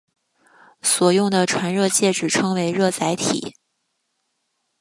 所用的传热介质称为热载体。